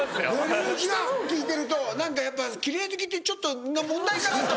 人のを聞いてると何かやっぱ奇麗好きってちょっと問題かなと。